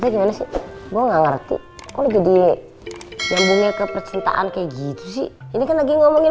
gimana sih gue nggak ngerti kalau jadi yang punya kepercintaan kayak gitu sih ini kan lagi ngomongin